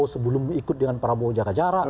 sebelum ikut dengan prabowo jaga jarak